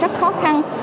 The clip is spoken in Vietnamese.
rất khó khăn